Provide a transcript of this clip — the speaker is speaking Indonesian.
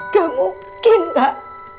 gak mungkin kak